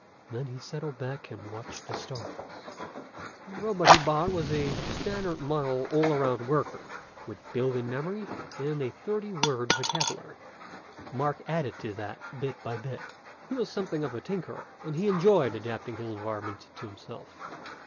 Then he settled back and watched the stars. The robot he bought was a standard model all around worker, with built in memory and a thirty word vocabulary. Mark added to that, bit by bit. He was something of a tinkerer, and he enjoyed adapting his environment to himself.